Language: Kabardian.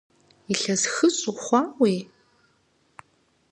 Илъэс хыщӏ ухъуауи?!